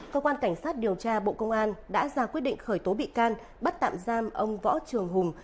cơ quan cảnh sát điều tra bộ công an đã ra quyết định khởi tố bị can bắt tạm giam ông võ trường hùng